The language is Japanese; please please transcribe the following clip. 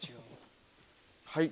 はい。